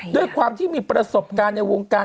ด้วยความที่มีประสบการณ์ในวงการ